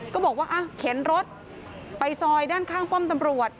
ก็บอกว่าเข็นรถไปซอยด้านข้างป้อมตำรวจ